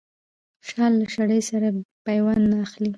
شال له شړۍ سره پيوند نه اخلي.